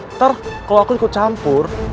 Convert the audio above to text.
ntar kalau aku ikut campur